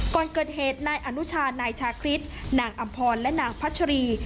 ก่อนเกิดเหตุนายอนุชานายชาคริสนางอำพรและนางพัชรี